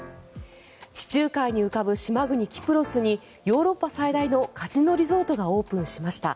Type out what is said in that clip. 地中海に浮かぶ島国キプロスにヨーロッパ最大のカジノリゾートがオープンしました。